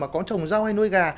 mà có chồng rau hay nuôi gà